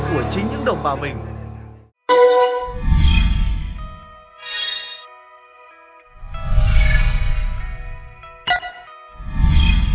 của chính những đồng bào mình